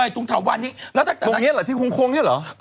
ตรงทะวันนี้ตรงนี้เหรอที่ฮุงโครงนี่เหรอ